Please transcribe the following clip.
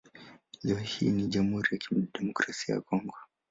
Leo hii ni Jamhuri ya Kidemokrasia ya Kongo.